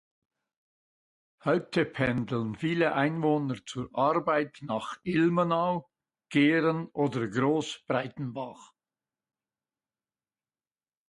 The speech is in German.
Heute pendeln viele Einwohner zur Arbeit nach Ilmenau, Gehren oder Großbreitenbach.